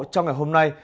trong ngày hôm nay